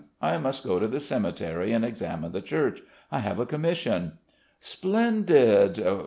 I must go to the cemetery and examine the church. I have a commission." "Splendid.